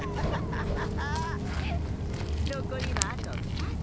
のこりはあと２つ。